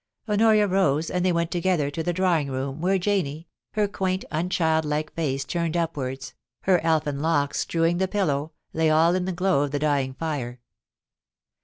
Honoria rose, and they went together to the drawing room, where Janie, her quaint, unchildlikc face turned up wards, her elfin locks strewing the pillow, lay all in the glow of the dying fire.